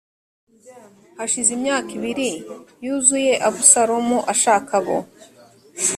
hashize imyaka ibiri yuzuye abusalomu ashaka abo